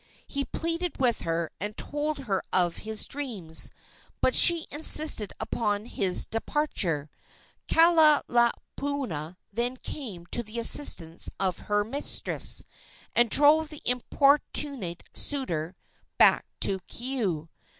He pleaded with her and told her of his dreams, but she insisted upon his departure. Kahalaomapuana then came to the assistance of her mistress, and drove the importunate suitor back to Keaau.